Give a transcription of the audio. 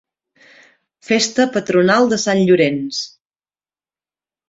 Festa patronal de Sant Llorenç.